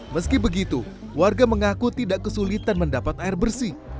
meski begitu warga mengaku tidak kesulitan mendapat air bersih